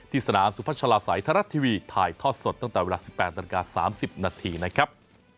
ที่สนามสุภาชาลาสายไทรรัฐทีวีถ่ายทอดสดตั้งแต่เวลา๑๘๓๐นนะครับ